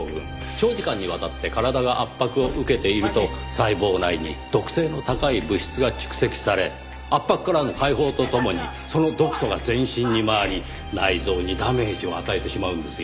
長時間にわたって体が圧迫を受けていると細胞内に毒性の高い物質が蓄積され圧迫からの解放とともにその毒素が全身に回り内臓にダメージを与えてしまうんですよ。